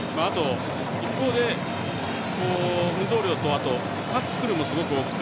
一方で、運動量とタックルもすごく多くて。